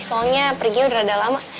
soalnya perginya udah agak lama